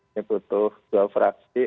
ini butuh dua fraksi